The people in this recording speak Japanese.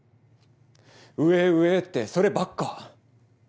上へ上へってそればっか。